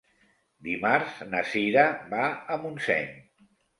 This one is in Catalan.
Dimarts na Sira va a Montseny.